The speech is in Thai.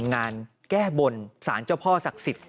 งานแก้บนสารเจ้าพ่อศักดิ์สิทธิ์